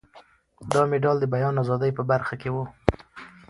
دا مډال د بیان ازادۍ په برخه کې و.